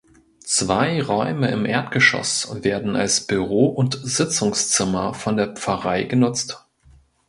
Zwei Räume im Erdgeschoss werden als Büro und Sitzungszimmer von der Pfarrei genutzt.